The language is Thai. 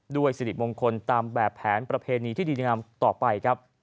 ด้วยสิริมงคลตามแบบแผนประเพณีที่ดีนามต่อไป